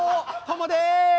トモです！